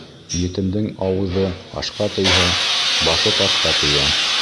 Етемдең ауыҙы ашҡа тейһә, башы ташҡа тейә.